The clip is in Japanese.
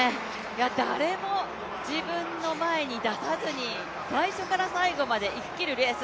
誰も自分の前に出さずに、最初から最後まで行ききるレース、